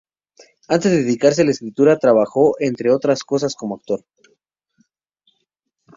Antes de dedicarse a la escritura, trabajó, entre otras cosas, como actor.